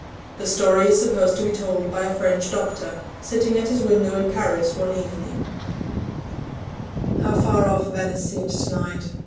The story is supposed to be told by a French doctor, sitting at his window in Paris one evening: How far off Venice seems to night!